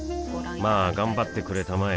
まあ頑張ってくれたまえ